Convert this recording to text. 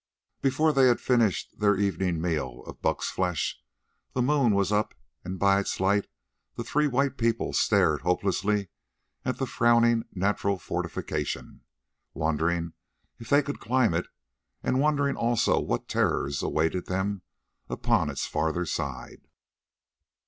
Before they had finished their evening meal of buck's flesh the moon was up, and by its light the three white people stared hopelessly at this frowning natural fortification, wondering if they could climb it, and wondering also what terrors awaited them upon its further side.